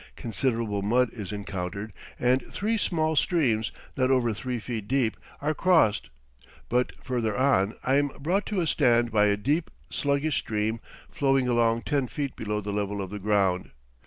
Considerable mud is encountered, and three small streams, not over three feet deep, are crossed; but further on I am brought to a stand by a deep, sluggish stream flowing along ten feet below the level of the ground.